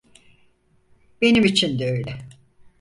Benim için de öyle.